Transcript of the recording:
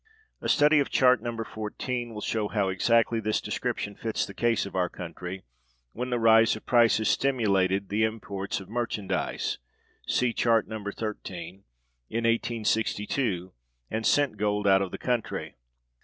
A study of Chart No. XIV will show how exactly this description fits the case of our country, when the rise of prices stimulated imports of merchandise (see Chart No. XIII) in 1862, and sent gold out of the country.